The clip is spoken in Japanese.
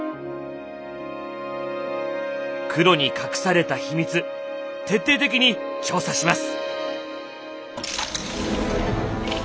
「黒」に隠された秘密徹底的に調査します！